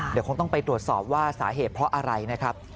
เดี๋ยวคงต้องไปตรวจสอบว่าสาเหตุเพราะอะไรนะครับ